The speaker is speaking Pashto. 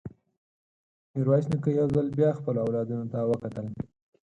ميرويس نيکه يو ځل بيا خپلو اولادونو ته وکتل.